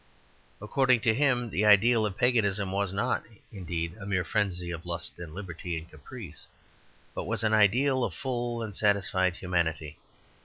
According to him, the ideal of Paganism was not, indeed, a mere frenzy of lust and liberty and caprice, but was an ideal of full and satisfied humanity.